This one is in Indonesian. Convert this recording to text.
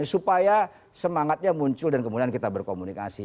supaya semangatnya muncul dan kemudian kita berkomunikasi